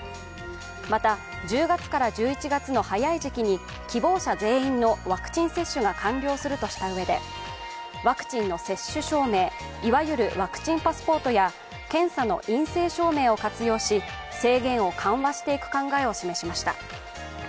また１０月から１１月の早い時期に希望者全員のワクチン接種が完了するとしたうえでワクチンの接種証明、いわゆるワクチンパスポートや検査の陰性証明を活用し、制限を緩和していく考えを示しました。